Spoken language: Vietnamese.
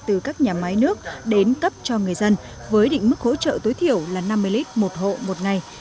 từ các nhà máy nước đến cấp cho người dân với định mức hỗ trợ tối thiểu là năm mươi lít một hộ một ngày